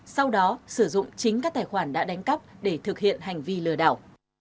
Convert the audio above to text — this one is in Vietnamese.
sau đó sử dụng chính các tài khoản đã đánh cắp để thực hiện hành vi lừa đảo